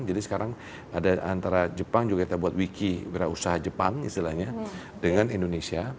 jadi sekarang ada antara jepang juga kita buat wiki berusaha jepang istilahnya dengan indonesia